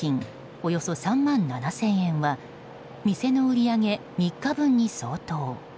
およそ３万７０００円は店の売り上げ３日分に相当。